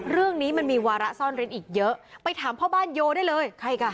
เรื่องนี้มันมีวาระซ่อนเร้นอีกเยอะไปถามพ่อบ้านโยได้เลยใครอีกอ่ะ